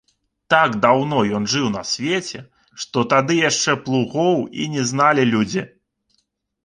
Так даўно ён жыў на свеце, што тады яшчэ плугоў і не зналі людзі.